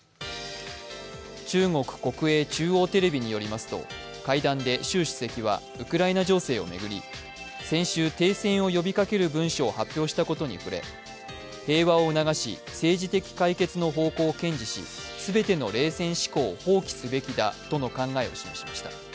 中国国営中央テレビによりますと、会談で習主席はウクライナ情勢を巡り、先週、停戦を呼びかける文書を発表したことに触れ、平和を促し、政治的解決の方向を堅持し全ての冷戦思考を放棄すべきだとの考えを示しました。